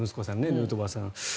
ヌートバーさん。